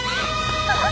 あっ！